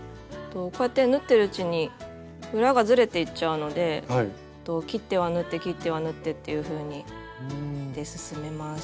こうやって縫ってるうちに裏がずれていっちゃうので切っては縫って切っては縫ってっていうふうにして進めます。